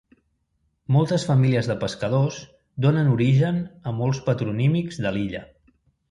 Moltes famílies de pescadors donen origen a molts patronímics de l'illa.